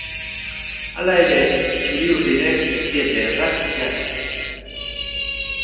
Hala ere, txuriurdinek ez diete erraz jarri.